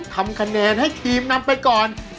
ทำคะแนนให้ทีมนำไปก่อน